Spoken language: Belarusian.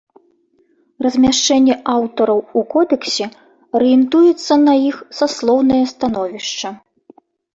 Размяшчэнне аўтараў у кодэксе арыентуецца на іх саслоўнае становішча.